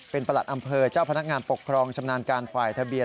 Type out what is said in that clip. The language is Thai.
เป็นประหลัดอำเภอเจ้าพนักงานปกครองชำนาญการฝ่ายทะเบียน